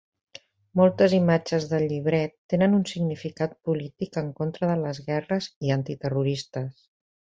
Moltes imatges del llibret tenen un significat polític en contra de les guerres i antiterroristes.